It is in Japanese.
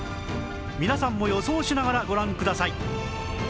皆さんも予想しながらご覧ください